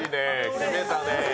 決めたね。